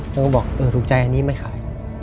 ก็บอกผมถูกใจอันนี้ไม่ขาย